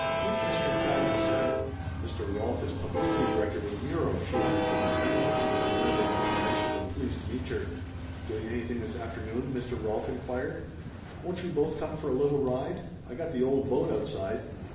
Meet Miss McFadden, Slim. Mr. Rolf is publicity director with Muro," she added for my benefit as I murmured the conventional "pleased to meetcher." "Doing anything this afternoon?" Mr. Rolf inquired. "Won't you both come for a little ride ? I got the old boat outside."